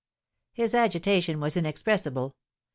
"His agitation was inexpressible!